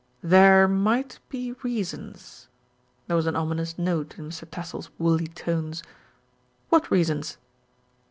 "There might be reasons." There was an ominous note in Mr. Tassell's woolly tones. "What reasons?"